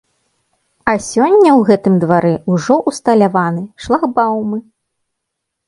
А сёння ў гэтым двары ўжо ўсталяваны шлагбаумы.